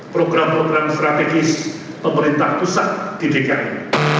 program program strategis pemerintah pusat di dki